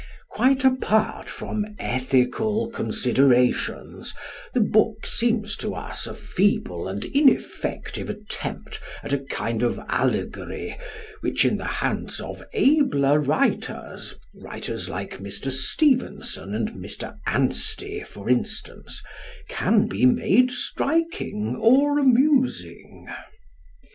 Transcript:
Quite apart from "ethical" considerations, the book seems to us a feeble and ineffective attempt at a kind of allegory which, in the hands of abler writers (writers like Mr. Stevenson and Mr. Anstey, for instance) can be made striking or amusing.